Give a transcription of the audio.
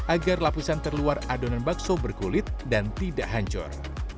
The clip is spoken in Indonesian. agar lapisan terluar adonan bakso berkulit dan tidak hancur